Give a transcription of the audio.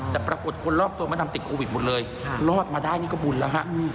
แต่ปรากฏคนรอบตัวมะดำติดโควิดหมดเลยรอดมาได้นี่ก็บุญแล้วฮะ